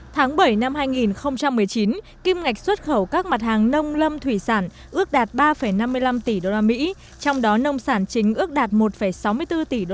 tháng bảy năm hai nghìn một mươi chín kim ngạch xuất khẩu các mặt hàng nông lâm thủy sản ước đạt ba năm mươi năm tỷ usd trong đó nông sản chính ước đạt một sáu mươi bốn tỷ usd